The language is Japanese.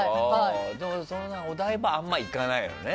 お台場はあまり行かないのね。